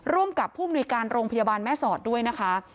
ร่วมกับผู้มนุยการโรงพยาบาลแม่สอดด้วยนะคะ